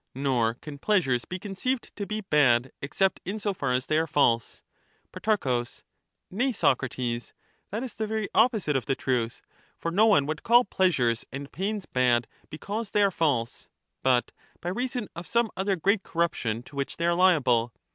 Nor can pleasures be conceived to be bad except in 41 so far as they are false. Pro. Nay, Socrates, that is the very opposite of the truth ; for no one would call pleasures and pains bad because they are false, but by reason of some other great corruption to which they are liable.